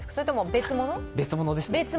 別物です。